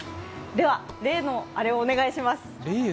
では例のあれをお願いします。